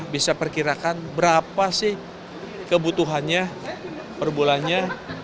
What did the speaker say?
bisa perkirakan berapa sih kebutuhannya perbulannya